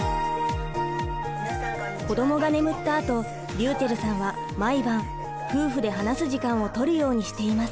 子どもが眠ったあとりゅうちぇるさんは毎晩夫婦で話す時間を取るようにしています。